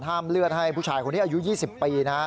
เลือดให้ผู้ชายคนนี้อายุ๒๐ปี